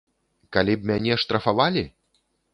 Калі б мяне штрафавалі?